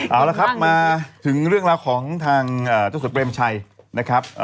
เอาละครับมาถึงเรื่องราวของทางเจ้าสัวเปรมชัยนะครับ